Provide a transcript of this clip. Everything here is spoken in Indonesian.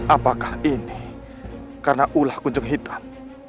apakah ini karena ulah kunci hitam